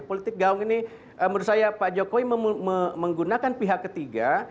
politik gaung ini menurut saya pak jokowi menggunakan pihak ketiga